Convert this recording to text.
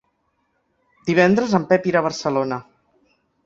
Divendres en Pep irà a Barcelona.